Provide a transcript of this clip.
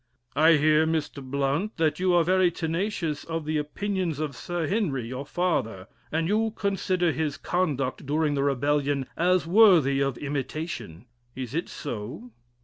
"I hear, Mr. Blount, you are very tenacious of the opinions of Sir Henry, your father, and you consider his conduct during the Rebellion as worthy of imitation. Is it so?"